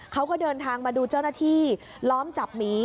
เขาก็เดินทางมาดูเจ้าหน้าที่ล้อมจับหมี